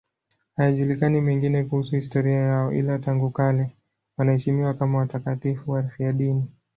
Hayajulikani mengine kuhusu historia yao, ila tangu kale wanaheshimiwa kama watakatifu wafiadini.